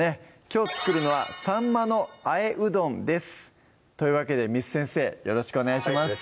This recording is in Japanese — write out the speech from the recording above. きょう作るのは「サンマの和えうどん」ですというわけで簾先生よろしくお願いします